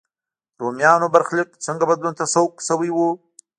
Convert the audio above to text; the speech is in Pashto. رومیانو برخلیک څنګه بدلون ته سوق شوی و.